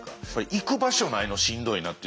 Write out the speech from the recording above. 行く場所ないのしんどいなって。